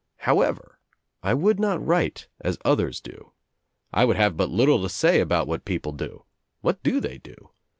However, I would not write as others do. I would have but little to say about what people do. What do they do?